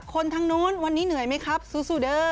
คนทั้งนู้นวันนี้เหนื่อยไหมครับสู้เด้อ